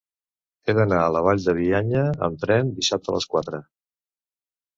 He d'anar a la Vall de Bianya amb tren dissabte a les quatre.